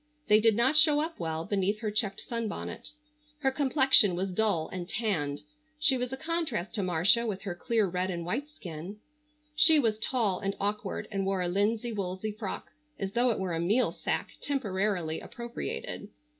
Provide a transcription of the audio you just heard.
They did not show up well beneath her checked sunbonnet. Her complexion was dull and tanned. She was a contrast to Marcia with her clear red and white skin. She was tall and awkward and wore a linsey woolsey frock as though it were a meal sack temporarily appropriated.